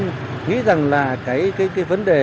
nghĩ rằng là cái vấn đề